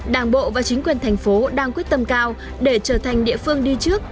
đảng bộ và chính quyền thành phố đang quyết tâm cao để trở thành địa phương đi trước